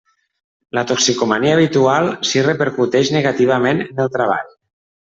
La toxicomania habitual si repercuteix negativament en el treball.